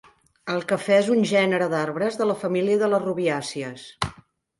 El cafè és un gènere d'arbres de la família de les rubiàcies.